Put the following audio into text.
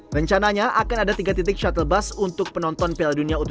rencananya akan ada tiga titik shuttle bus untuk penonton piala dunia u tujuh belas